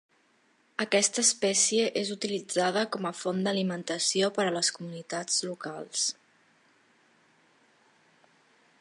Aquesta espècie és utilitzada com a font d'alimentació per les comunitats locals.